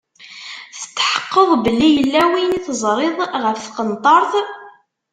Tetḥeqqeḍ belli yella win i teẓriḍ ɣef tqenṭert?